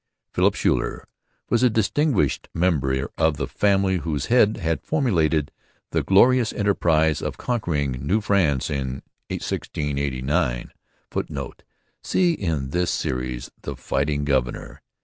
Philip Schuyler was a distinguished member of the family whose head had formulated the 'Glorious Enterprize' of conquering New France in 1689. [Footnote: See, in this Series, The Fighting Governor.